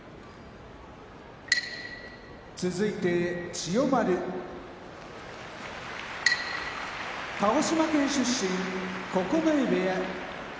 千代丸鹿児島県出身九重部屋